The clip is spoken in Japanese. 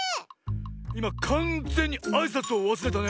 いまかんぜんにあいさつをわすれたね。